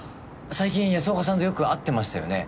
最近安岡さんとよく会ってましたよね？